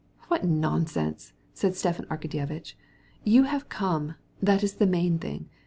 "What nonsense!" said Stepan Arkadyevitch. "You've come, that's the chief thing.